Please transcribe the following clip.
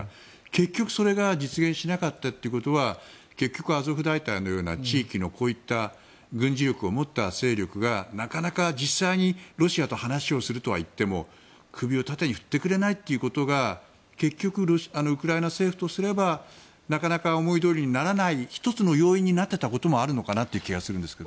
結局それが実現しなかったということは結局、アゾフ大隊のような地域の軍事力を持った勢力がなかなか実際にロシアと話をするとはいっても首を縦に振ってくれないということが結局、ウクライナ政府とすればなかなか思いどおりにならない１つの要因になってたこともあるのかなって気がするんですが。